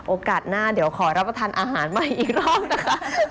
โอกาสหน้าเดี๋ยวขอรับประทานอาหารใหม่อีกรอบนะคะ